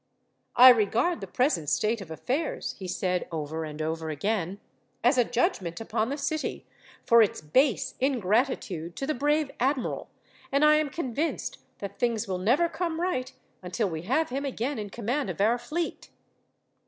"I regard the present state of affairs," he said, over and over again, "as a judgment upon the city, for its base ingratitude to the brave admiral, and I am convinced that things will never come right, until we have him again in command of our fleet.